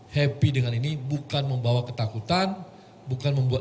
pemilu umum yang sudah dipercayai pasangan nomor urut satu